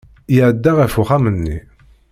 Iɛedda ɣef uxxam-nni.